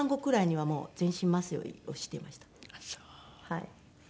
はい。